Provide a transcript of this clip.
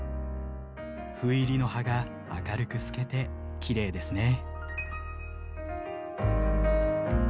斑入りの葉が明るく透けてきれいですね。